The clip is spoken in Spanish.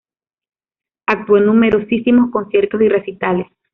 Actúo en numerosísimos conciertos y recitales.